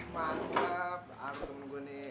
mantap baru temen gua nih